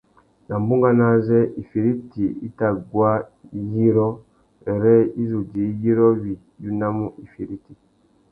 Nà bunganô azê « ifiriti i tà guá yirô » wêrê i zu djï yirô wí unamú ifiriti.